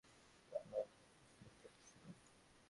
তাঁর আর-একটি স্নেহের পাত্র ছিল।